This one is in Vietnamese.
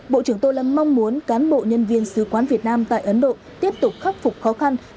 bộ trưởng tô lâm mong muốn cán bộ nhân viên sứ quán việt nam tại ấn độ tiếp tục khắc phục khó khăn